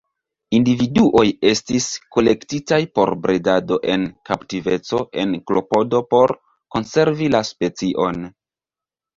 Individuoj estis kolektitaj por bredado en kaptiveco en klopodo por konservi la specion.